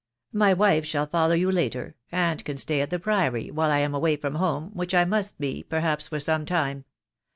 My wife shall follow you later, and can stay at the Priory while I am away from home, which I must be, perhaps, for some time.